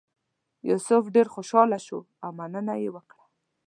یوسف ډېر خوشاله شو او مننه یې وکړه.